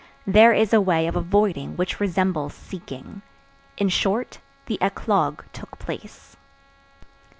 There is a way of avoiding which resembles seeking. In short, the eclogue took place.